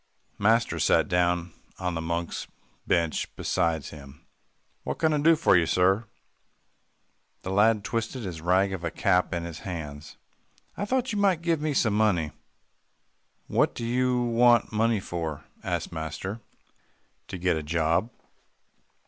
Master sat down on the monks' bench beside him. "What can I do for you, sir?" The lad twisted his rag of a cap in his hands. "I thought you might give me some money." "What do you want money for?" asked master. "To get a job."